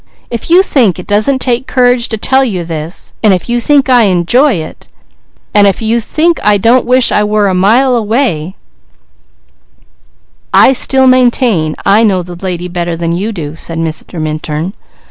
If you think it doesn't take courage to tell you this, and if you think I enjoy it, and if you think I don't wish I were a mile away " "I still maintain I know the lady better than you do," said Mr. Minturn.